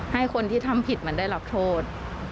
ให้คนที่ทำผิดใหม่ได้หลับโทษ